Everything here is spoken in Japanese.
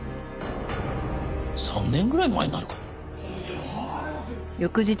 ３年ぐらい前になるかな。